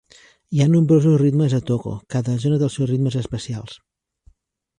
Hi ha nombrosos ritmes a Togo: cada zona té els seus ritmes especials.